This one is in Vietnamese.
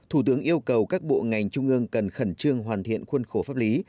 thủ tướng yêu cầu các bộ ngành trung ương cần khẩn trương hoàn thiện khuôn khổ pháp lý